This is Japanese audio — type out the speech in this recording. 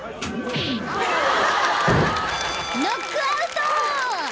［ノックアウト！］